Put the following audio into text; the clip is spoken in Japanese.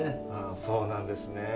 そうなんですね。